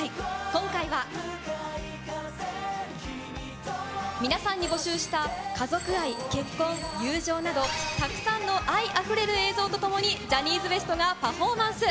今回は皆さんに募集した家族愛、結婚、友情などたくさんの愛あふれる映像とともにジャニーズＷＥＳＴがパフォーマンス。